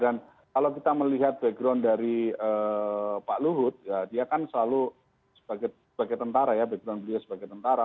dan kalau kita melihat background dari pak luhut ya dia kan selalu sebagai tentara ya background beliau sebagai tentara